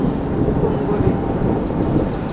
Dugongoore.